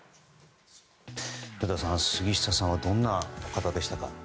古田さん、杉下さんはどんな方でしたか。